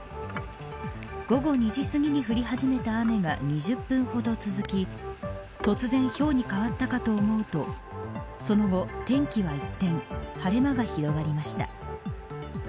午後２時すぎに降り始めた雨が２０分ほど続き突然ひょうに変わったかと思うとその後、天気は一転晴れ間が広がりました。